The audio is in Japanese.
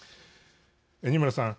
二村さん。